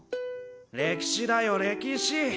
歴史だよ歴史！